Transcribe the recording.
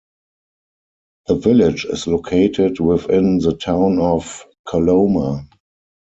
The village is located within the Town of Coloma.